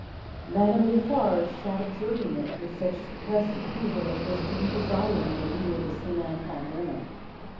Madame Defarge sat observing it, with such suppressed approval as was to be desired in the leader of the Saint Antoine women.